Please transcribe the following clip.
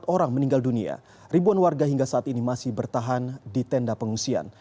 empat orang meninggal dunia ribuan warga hingga saat ini masih bertahan di tenda pengungsian